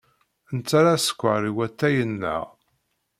Nettarra askeṛ i watay-nteɣ.